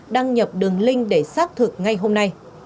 đăng nhập đường link để xác thực ngay hôm nay